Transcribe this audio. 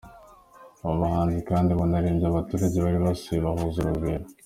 Aba bahanzi kandi banaririmbiye abaturage bari basuye bahuza urugwiro.